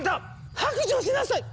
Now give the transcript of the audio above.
白状しなさい！